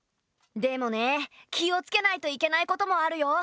でもね気を付けないといけないこともあるよ。